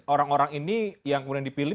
orang orang ini yang kemudian dipilih